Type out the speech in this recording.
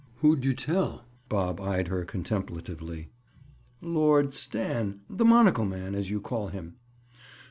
"Who'd you tell?" Bob eyed her contemplatively. "Lord Stan—The monocle man, as you call him."